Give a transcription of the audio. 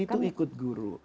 itu ikut guru